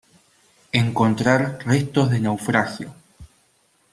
encontrar restos de naufragio